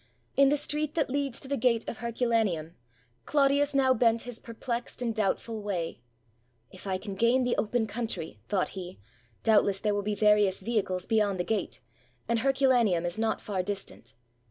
In the street that leads to the gate of Herculaneum, Clodius now bent his perplexed and doubtful way. " If I can gain the open country," thought he, ''doubt less there will be various vehicles beyond the gate, and Herculaneum is not far distant.